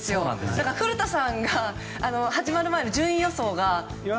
だから古田さんの始まる前の順位予想で。